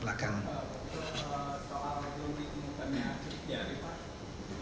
salah satu yang ditemukan adalah sidik jari pak